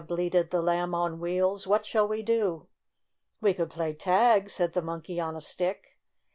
bleated the Lamb on Wheels. "What shall we do?" "We could play tag!" said the Monkey on a Stick.